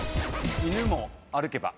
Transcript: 犬も歩けば。